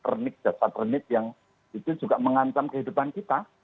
renit jasad renit yang itu juga mengancam kehidupan kita